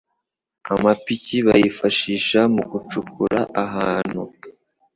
amapiki bayifashisha mugucukura ahantu